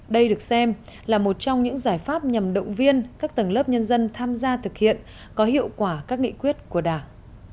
đây được xem là một trong những giải pháp nhằm động viên các tầng lớp nhân dân tham gia thực hiện có hiệu quả các nghị quyết của đảng